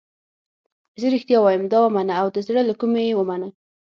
زه رښتیا وایم دا ومنه او د زړه له کومې یې ومنه.